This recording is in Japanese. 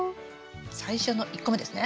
最初の１個目ですね。